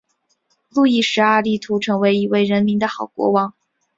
路易十二力图成为一位人民的好国王。